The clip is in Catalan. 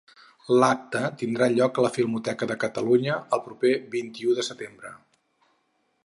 L'acte tindrà lloc a la Filmoteca de Catalunya, el proper vint-i-u de setembre.